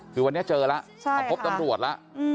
คือวันนี้เจอแล้วใช่ค่ะพบตำรวจแล้วอืม